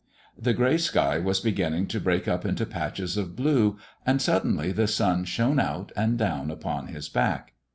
The gray sky was beginning to break up into patches of blue, and suddenly the sun shone out and down upon his back.